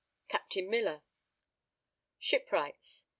Captain Miller. _Shipwrights.